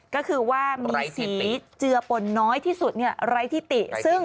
ก็คือว่ามีสีเจือปนน้อยที่สุดไร้ที่ติซึ่ง